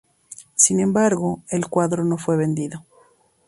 Sin embargo, el cuadro no fue vendido.